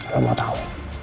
lu mau tau